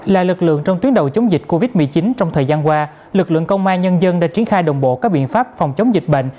là lực lượng trong tuyến đầu chống dịch covid một mươi chín trong thời gian qua lực lượng công an nhân dân đã triển khai đồng bộ các biện pháp phòng chống dịch bệnh